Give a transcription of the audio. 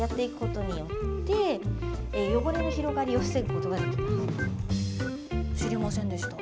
知りませんでした。